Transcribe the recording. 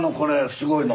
すごいの。